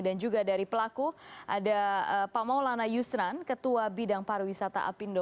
dan juga dari pelaku ada pak maulana yusran ketua bidang pariwisata apindo